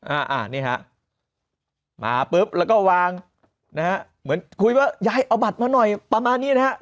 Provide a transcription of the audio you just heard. อ่าอ่านี่ฮะมาปุ๊บแล้วก็วางนะฮะเหมือนคุยว่ายายเอาบัตรมาหน่อยประมาณนี้นะฮะ